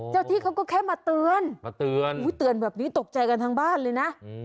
เจ้าที่เขาก็แค่มาเตือนเตือนแบบนี้ตกใจกันทั้งบ้านเลยนะ